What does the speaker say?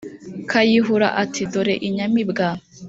Kayihura ati: “Dore inyamibwa